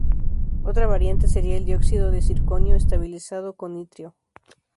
Otra variante sería el dióxido de zirconio estabilizado con itrio.